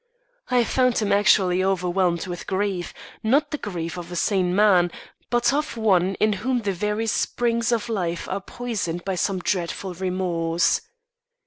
I found him actually overwhelmed with grief; not the grief of a sane man, but of one in whom the very springs of life are poisoned by some dreadful remorse.